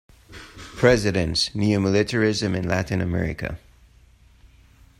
Presidents: Neo-militarism in Latin America.